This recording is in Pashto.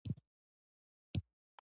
دوی ښه جنګیالي او آس سواران وو